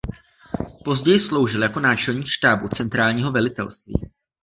Později sloužil jako náčelník štábu centrálního velitelství.